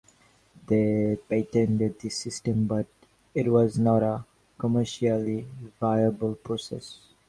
They patented this system, but it was not a commercially viable process.